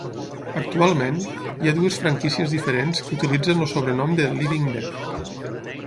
Actualment, hi ha dues franquícies diferents que utilitzen el sobrenom de "Living Dead".